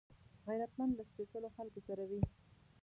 غیرتمند له سپېڅلو خلکو سره وي